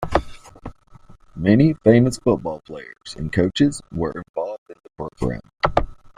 Many famous football players and coaches were involved in the program.